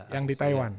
yang di taiwan